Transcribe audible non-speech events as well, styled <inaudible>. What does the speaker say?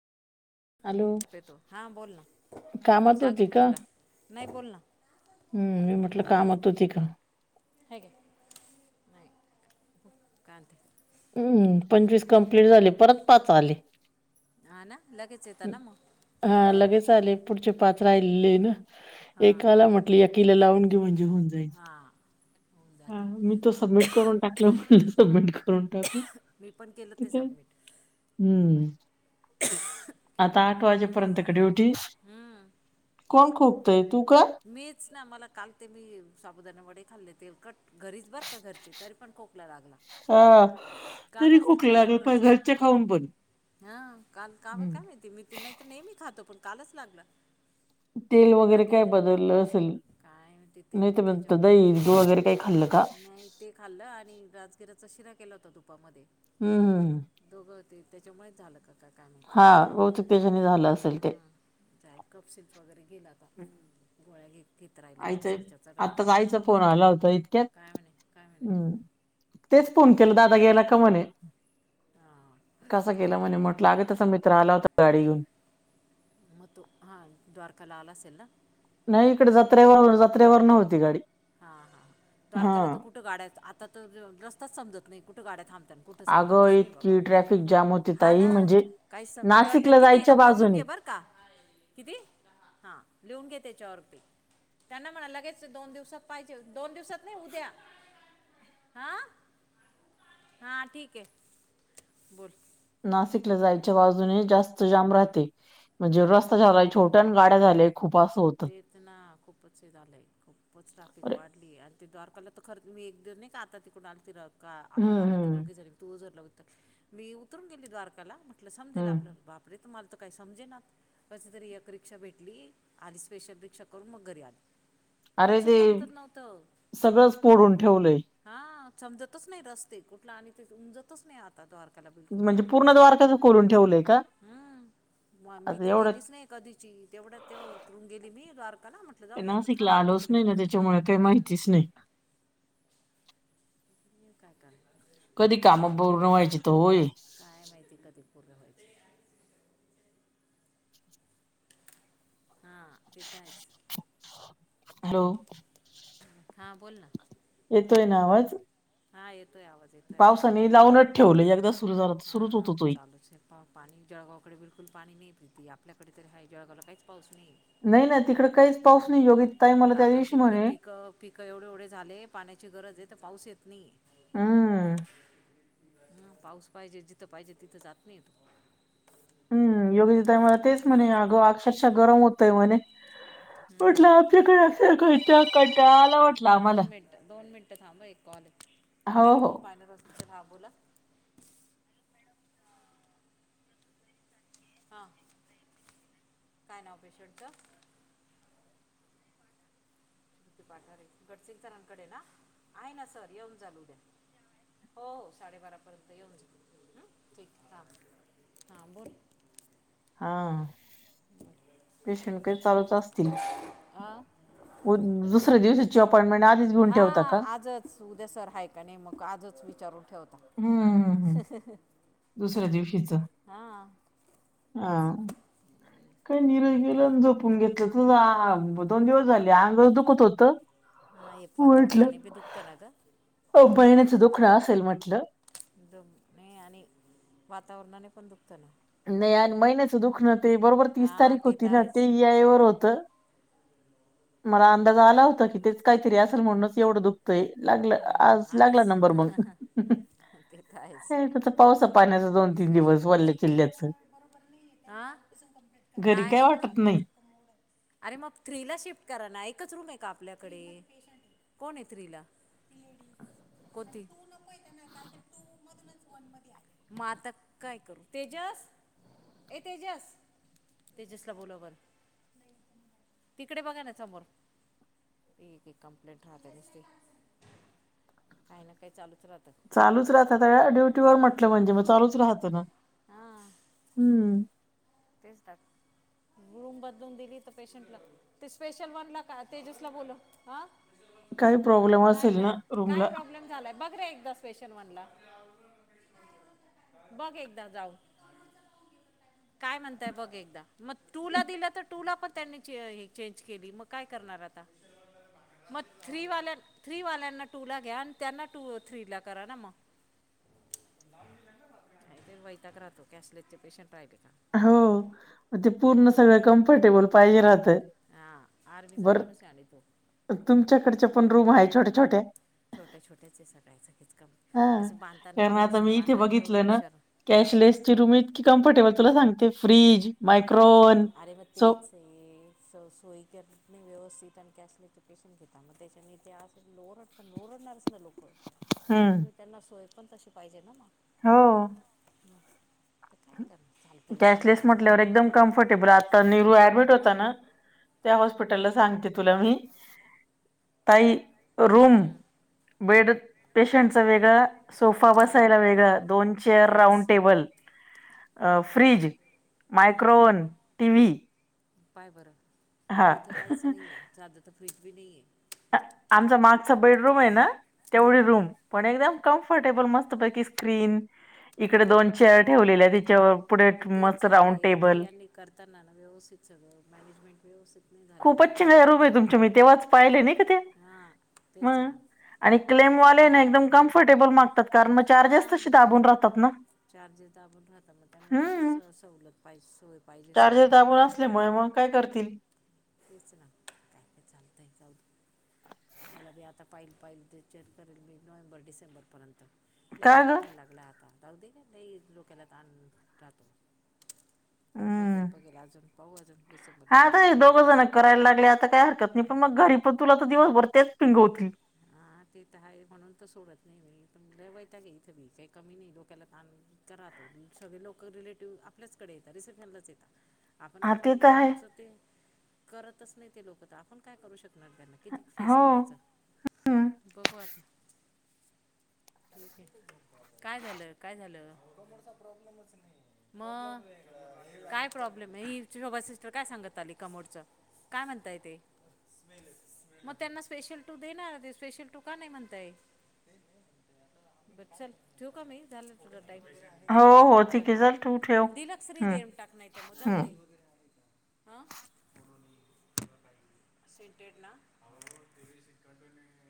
Hello ते तू हा बोलना, कामात होती सांगेल मी का तुला नाही बोल हम्म हम्म मी म्हटलं कामत होती का? कायग? नाय कायतर हम्म पंचवीस कमप्लीट झाले परत पाच आले हा ना लगेच येत हम्म, ना म. हा लगेच पुढचे पाच आले हां एकाला म्ह मी अकेली लावून घेऊन जून जाईल, हां होऊन हा जाते मी तर संमीट करून. टाकिन म्हणलं समिट करून टाकू मी पण केलं ते काय सबमिट हम्म. केलं आता मी आठ पण वाजेपर्यंत का, ड्युटी कोण खोकतय तू का. मीच ना मला काल ते, मी साबुदाना वडे खाल्ले तेलकट. घरीच बरं का घरचे तरी पण खोकला लागला. हो. कालच ते खाल्ल्यावरच, पण ह हम्म. <unintelligible> ते नाही तर नेहमी खातो, पण कालच लागलं. तेल वगैरे काय बदल असेल, काय ते नाही तेल त्याच्या तर दही <unintelligible> वगैरे काय खाल्लं. का नाही ते खाल्लं, आणि राजगिराचा शिरा केला होता तुपामध्ये. हम्म. दोघं होते त्यांच्यामुळेच झालं का काय. काय माहिती हा बहुतेक तेच्यानी झालं असेल ते. हं. जाय कप सिल्क वगैरे घेइल आता, हम्म. गोळ्या घेत घेत राहिल्या कप आईचा सिल्कच्या चगळाय. आत्ताच आईचा फोन आला होता इतक्यात काय म्हणे हम्म. तेच फोन केला, दादा गेला का म्हणे. हां कसा गेला म्हणे म्हटलं अगं, त्यांचा मित्र आला होता गाडी घेऊन. म तो हां द्वारकाला आला असेल ना. नाही इकडे जत्रेवर, जत्रेवर नव्हती गाडी. हा हा हा द्वारकाला तर कुठं गाड्या आता तर, रस्ताच समजत नाही कुठं गाड्यात थांबतन. कुठ अगं समजतच नाही बाबा इतकी ट्रॅफिक जाम होती हा ताई ना, म्हणजे काहीच समज कॉटन नाशिकला किती आहे जायच्या गं मोजून बाजूने घे बरं. कां. किती हां लिहून घे तेच्यावरती, त्यांना म्हणाव लगेच दोन दिवसात. पाहिजे दोन दिवसात नाही उद्या हां. हा ठीक ये बोल. नाशिकला जायच्या बाजूने जास्त जाम राहते. म्हणजे हम्म रस्ता झाला हम्म छोटा आणि गाड काय झाले खूप असं होतं. केतना खूपचं हे झालंय. खूपचं ट्राफिक अरे वाढली ये. आणि ते द्वारकाला तर खरं मी एक दिव नाही का, आता तिकडुन आलते ते राहतं. का आपण हम्म आलोत हम्म दोघे जणी, तू उझरला मी उतरून गेली द्वारकाला मग. म्हटल समजेल हम्म आपलं बापरे तुम्हाला तर काही समजेना, कस तरी एक रिक्षा भेटली. आधी स्पेशल रिक्षा करून मग घरी आली. अरे रिक्षाच ते समजत नव्हतं सगळंच पोडून ठेवलंय. हा समजतच नाही रस्ते, कुठला आणि ते उंजत. समजतच नाही. आता द्वारकाला बिल म्हणजे पूर्ण द्वारका उखलून ठेवलंय का. हम्म म मी आता तर एवढं गेलीच नाही, कधीची तेवढ्यात तेव. उतरून गेली मी द्वारका ला, म्हटलं जाऊ दे आता नाशिकला थांबू आलोच तिकडे नाही ना त्याच्यामुळे काही हम्म. माहितीच नाही. हम्म काय काय. कधी कामं बोलून व्हायची ओ ये. काय माहिती कधी पूर्ण व्हायची. हा ते तर हायच. हॅलो. हा बोल ना. येतोय ना आवाज. हा येतोय आवाज येतोय पावसाने लावूनच ठेवलंय एकदा सुरू झाला तर हा सुरूच होतो तोही. चालूच हे. पाणी जळगावकडे बिलकुल पाणी नाही प्रीती आपल्याकडे तरी आहेा जळगावला काहीच पाऊस नाहीये. नाही ना तिकड काहीच पाऊस नाही योगी ताय मला त्या काकांते दिवशी ते म्हणे. पिकं पिकं एवढे एवढे झाले, पाण्याची गरज आहे तर पाऊस येत नाही. हम्म ह पाऊस पाहिजे जिथं पाहिजे तिथं जात नाही. हम्म योगिताताई गरज आहे मला तेच म्हणे अगं अक्षरशः गरम होतय म्हणे म्हट हम्म. <unintelligible> दोन मिनिटं दोन मिनिटं थांब एक कॉल हो हो हॅलो मायनर हॉस्पिटल हा बोला हा काय नाव पेशंटचं? पाठार गटसिंग सरांकडे ना आहे ना सर येऊन जा उद्या. हो साडेबारापर्यंत येऊन जा ह ठीक ह हां बोल. हा पेशंटकही चालूच असतील. हां दुस्या दिवसाची अपॉइंटमेंट आधीच. घेऊन हा ठेवता का? आजच उद्या सर आहेय का नाही मग आजच विचारून ठेवता. हम्म. हम्म. ह, हह. दुसऱ्या दिवशीच तेच हा. ना काही निरश गेलं जपून घेतलं तर दोन दिवस झाले अंग दुखत होत. हां हे म्हटलं, वातावरणाने बी दुखतं ना गं बहिणीच दुखणं असेल म्हटल. दु म नई आणि. वातावरणाने पण दुखतं ना. नाही आणि महिन्याचं दुख न ते बरोबर तीस हां तारीख ते होती तर ना आहेच ते वेळेवर होतं. मला अंदाज आला होता की तेच काहीतरी असल म्हणूनच एवढं दुःख. ते लागलं आज लागला नंबर मग. तेथ आहेच हे त्याचं पावसा पाण्याचं दोन तीन स्पेशल दिवस गच वल्ल्या कमोड चिल्ल्याचं बरोबर नाही हा? स कप्लीट घरी काय वाटत स्पेशल? नाही. अरे मग थ्री ला शिफ्ट करा ना एकच रूम आहे का आपल्याकडे? कोण ए थ्री ला, लेडीज कोणती? म आता काय करू तेजस. ए तेजस, तेजसला बोलव बर. तिकडे बघा ना समोर एक एक कंप्लेंट राहते नसत काही ना काही चालूच राहत चालूच राहत त्या ड्युटीवरर म्हटलं म्हणजे मग चालूच राहतं ना हां हम्म तेच तर रूम बदलून दिली तर पेशंटला ते स्पेशल वनला का, तेजसला बोल हा. काही प्रॉब्लेम नाही असेल ना काय रूमला प्रॉब्लेम झालाय बघ. रे एकदा स्पेशन वनला बघ एकदा जाऊन. काय म्हणताय बघ एकदा मग टूला दिला तर टूला पण. त्यांनी चेंज केली मग काय करणार आता मगथ्री वाल्या थ्री वाल्यांना टू ला घ्या आणि त्यांना टू थ्री ला करा ना मग ते वैताक राहतो कॅशलेसचे पेशंट राहिले का. हो. मग ते पूर्ण रूम सगळं कम्फर्टेबल पाहिजे राहतं बर. त्याने तो तुमच्याकडचे पण रूम आहे छोट्या छोट्या. छोट्या छोट्याचे सटायचं कीच कम हा असं बांधताना व्यवस्थित बांधलं नाही एवढे एवढं शर. कॅश लिस्ट ची रूम इतकी कम्फर्टेबल तुला सांगते फ्रीज मायक्रोन अरे मग सो तेच आहे सोयी करता नाही व्यवस्थित आणि स्पेशलिस्ट चे पेशंट घेता मग त्याच्या ने ते अजूनच. लोरडता लोरडणारच ना लोक हम्म तुम्ही त्यांना सोय पण तशी पाहिजे ना मग. हो काय कर चालतय चालत. कॅशलेस म्हटल्यावर एकदम कम्फर्टेबल आता मीरू ॲडडमिट होतता ना त्या हॉस्पिटलला सांगते तुला मी ताई रूम. हम्म, बेड पेशंटच वेगळां सोफा हम्म. बसायला वेगळा दोन मग चेअर राऊंड तेच टेबल. अ मग फ्रिज हम्म. Micro oven TV. पाय बरं इथं काहीच नाहीये सादा तर फ्रीज बी नाहीये. आमचा मागचा बेडरूम आहे ना तेवढी आहे रूम पण एकदम कम्फर्टेबल मस्त पैकी स्क्रीन. इकडे दोन चेअर ठेवलेले आहेत, तिच्यावर पुढे मस्त राऊंड टेबल. त्यांना व्यवथच मॅनेजमेंट व्यवस्थित सगळं खूपच छान आहे तुमच्या तेव्हाच पाहिले नाही का ते हां तेच मग ना आणि क्लेमवाले ना एकदम कम्फर्टेबल मागतात कारण मग दाबून राहतात ना. चार्जे दाबून राहतात मग त्यांना तसेच हम्म सवलत पाहिज सोय पाहिजे सगळी पुढं असल्यामुळे मग. काय करतील? तेच ना काय तरी चालतंय जाऊदे. मला बी आता पाईल पाईल ते चेक करेल मी नोव्हेंबर डिसेंबरपर्यंत. लय काय ग वैताग होईल लागला आता जाऊदे ग लय डोक्याला ताण राहतो. हम्म बघेल बघेल अजून पाहू अजून डिसेंबर हा आता हे जानेवारीपर्यंत. दोघं जण करायला लागले आता काय हरकत नाही पण मग घरी पण तुला तर दिवसभर तेच पिंगवती. हा ह ते तर आहे तर सोडत म्हणून तर सोडत नाही पण लय वैताग आहे इथे बी काय कमी नाही डोक्याला ताण. क राहतो सगळे लोक रिलेटिव्ह आपल्याचकडे येतात रिसेप्शनलाच येतात. आपण हा आता ते तर आहे तुमचं ते करतच नाही ते लोक तर आपण काय करू शकणार त्यांना किती फेस हो करायचां हम्म बघू आता. काय झालं काय झालं प्रॉब्लेमच नाही मग काय प्रॉब्लेम आहे ही शोबा सिस्टर काय सांगत आली कमोडचं? काय म्हणताय ते मग त्यांना स्पेशल टू देना. स्पेशल टुका नाही म्हणताय. बर चल ठेऊ का मी झालं तुझ टाईम. हो हो हॅलो ठीक आहे हा चल तू ठेव दिलक श्री हम्म देम टाक नाहीत मु जााऊ हम्म दे. हां सीटेड ना.